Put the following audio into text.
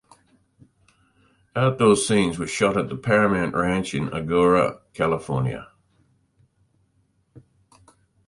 Outdoor scenes were shot at the Paramount Ranch in Agoura, California.